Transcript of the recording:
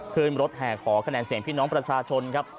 ขึ้นรถแห่ขอคะแนนเสียงพี่น้องประชาชนครับ